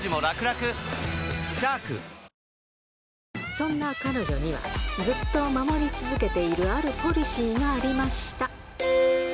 そんな彼女には、ずっと守り続けているあるポリシーがありました。